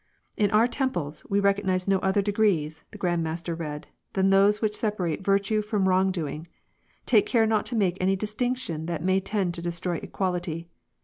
In our temples, we recognize no other degrees," the Grand Master read, "than those which separate virtue from wrong doing. Take care not to make any distinction that may tend to destroy equality.